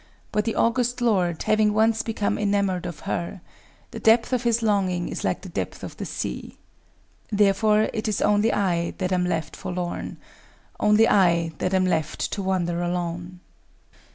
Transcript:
But the august lord, having once become enamored of her—the depth of his longing is like the depth of the sea. Therefore it is only I that am left forlorn,—only I that am left to wander along.